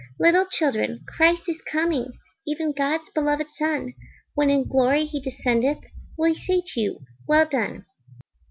Little children, Christ is coming, Even God's beloved Son; When in glory he descendeth, Will he say to you, "Well done"?